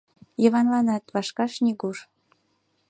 Йыванланат вашкаш нигуш.